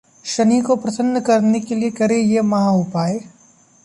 शनि को प्रसन्न करने के लिए करें ये महाउपाय